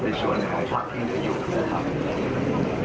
ในส่วนภักด์ที่จะอยู่นะครับ